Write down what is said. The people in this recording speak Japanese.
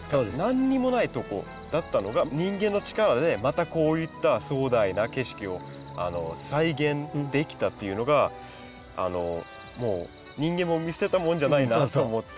何にもないとこだったのが人間の力でまたこういった壮大な景色を再現できたっていうのがもう人間も見捨てたもんじゃないなと思って。